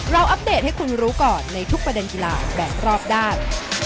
อัปเดตให้คุณรู้ก่อนในทุกประเด็นกีฬาแบบรอบด้าน